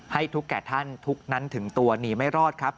ให้ทุกแก่ท่านทุกข์นั้นถึงตัวหนีไม่รอดครับ